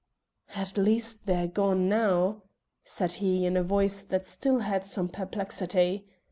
"At least they're gone now," said he in a voice that still had some perplexity.